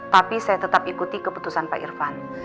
tapi saya tetap ikuti keputusan pak irfan